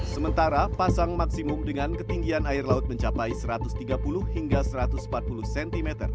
sementara pasang maksimum dengan ketinggian air laut mencapai satu ratus tiga puluh hingga satu ratus empat puluh cm